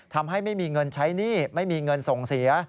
ทำให้ไม่มีเงินใช้หนี้ไม่มีเงินส่งเสีย